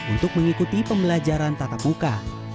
untuk mengikuti pembelajaran tatap muka